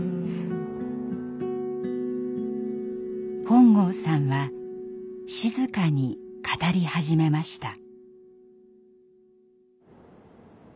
本郷さんは静かに語り始めました。